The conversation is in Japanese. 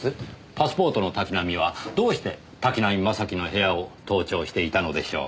パスポートの滝浪はどうして滝浪正輝の部屋を盗聴していたのでしょう？